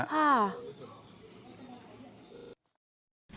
อ่า